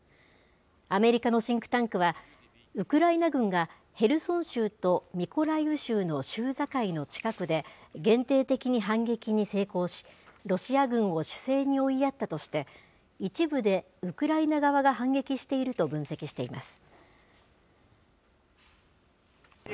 アメリカのシンクタンクは、ウクライナ軍がヘルソン州とミコライウ州の州境の近くで、限定的に反撃に成功し、ロシア軍を守勢に追いやったとして、一部でウクライナ側が反撃していると分析しています。